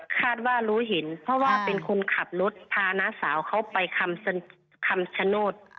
คาดว่ารู้เห็นเพราะว่าเป็นคนขับรถพาน้าสาวเขาไปคำชโนธ